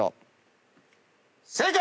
正解！